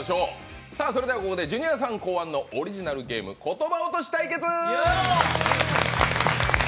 それではここでジュニアさん考案のオリジナルゲーム、「ことば落とし対決！」